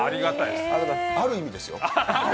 ある意味ですよ。